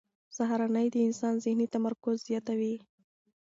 سهارنۍ د انسان ذهني تمرکز زیاتوي.